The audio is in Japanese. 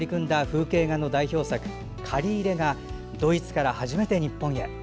風景画の代表作「刈り入れ」がドイツから初めて日本へ。